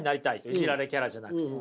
イジられキャラじゃなくて。